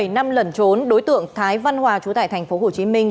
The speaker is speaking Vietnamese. một mươi bảy năm lẩn trốn đối tượng thái văn hòa trú tại thành phố hồ chí minh